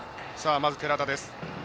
まず寺田です。